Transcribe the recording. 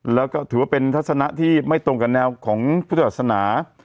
แล้วก็ถือว่าเป็นทัศนะที่ไม่ตรงกับแนวของพุทธศาสนา